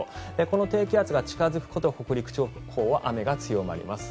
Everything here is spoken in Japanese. この低気圧が近付くことで北陸地方は雨が強まります。